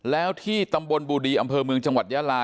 แล้วที่ตำบลบูดีอำเภอเมืองจังหวัดยาลา